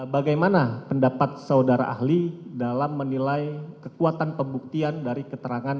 bagaimana pendapat saudara ahli dalam menilai kekuatan pembuktian dari keterangan